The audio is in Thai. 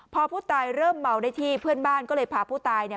พอผู้ตายเริ่มเมาได้ที่เพื่อนบ้านก็เลยพาผู้ตายเนี่ย